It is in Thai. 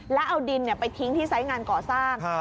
แล้วเอาดินไปทิ้งที่ไซส์งานก่อสร้าง